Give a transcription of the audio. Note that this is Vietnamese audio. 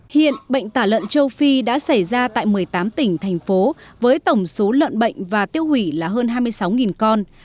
hiện bệnh tả lợn châu phi đã xảy ra tại một mươi tám tỉnh thành phố với tổng số lợn bệnh và tiêu hủy là hơn hai mươi sáu con